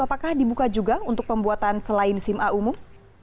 apakah dibuka juga untuk pembuatan selain sim a umum